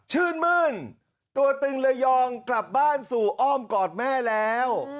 ชื่นมื้นตัวตึงระยองกลับบ้านสู่อ้อมกอดแม่แล้ว